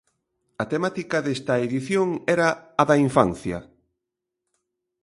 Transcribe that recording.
A temática desta edición era a da infancia.